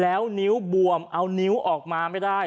แล้วนิ้วบวมเอานิ้วออกมาไม่ได้